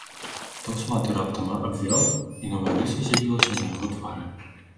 Таўсматы раптам абвяў, і новая рыса з'явілася на яго твары.